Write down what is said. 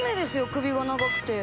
首が長くて。